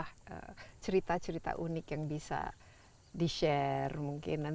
ada cerita cerita unik yang bisa di share mungkin